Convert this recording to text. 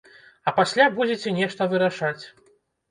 А пасля будзеце нешта вырашаць!